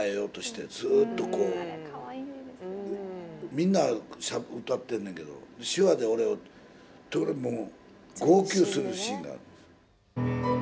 みんな歌ってんねんけど手話で俺を号泣するシーンがある。